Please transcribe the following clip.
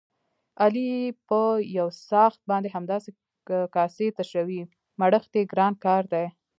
علي په یوڅآښت باندې همداسې کاسې تشوي، مړښت یې ګران کار دی.